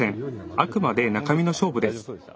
あくまで中身の勝負です。